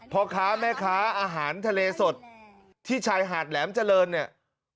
พ่อค้าแม่ค้าอาหารทะเลสดที่ชายหาดแหลมเจริญเนี่ย